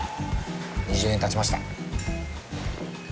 ２０年たちました。